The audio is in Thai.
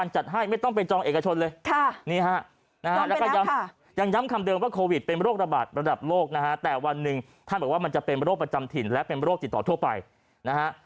แล้วก็ยังย้ำคำเดิมว่าโควิดเป็นโรคระบาดระดับโลกนะฮะแต่วันหนึ่งท่านบอกว่ามันจะเป็นโรคประจำถิ่นและเป็นโรคติดต่อทั่วไปนะฮะ